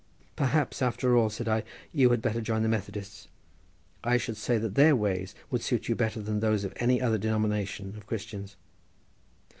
"Perhaps, after all," said I, "you had better join the Methodists—I should say that their ways would suit you better than those of any other denomination of Christians."